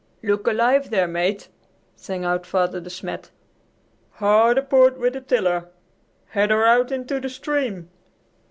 "Look alive there, Mate!" sang out Father De Smet. "Hard aport with the tiller! Head her out into the stream!"